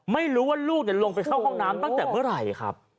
ไม่รู้ว่าลูกลงไปเข้าห้องน้ำตั้งแต่เมื่อไหร่ครับ